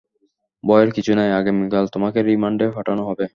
ভয়ের কিছু নেই, আগামীকাল তোমাকে রিমান্ডে পাঠানো হবে।